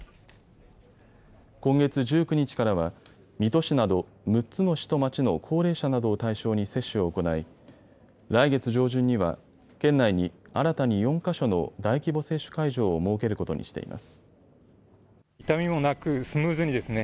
今月１９日からは水戸市など６つの市と町の高齢者などを対象に接種を行い来月上旬には県内に新たに４か所の大規模接種会場を設けることにしています。